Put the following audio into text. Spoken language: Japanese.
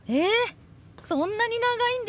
そんなに長いんですね！